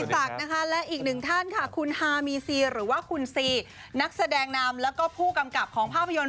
ท้อนจะตอนรับทั้งสองท่านใครสวัสดีค่ะท่านผู้กำกับของภาพภายอน๒๐๑๐